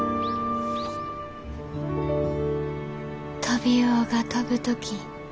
「トビウオが飛ぶとき